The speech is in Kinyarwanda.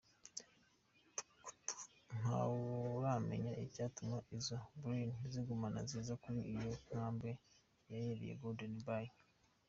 Ntawuramenya igituma izo "baleines" ziguma ziza kuri iyo nkombe yegereye Golden Bay.